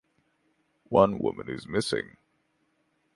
One woman is missing.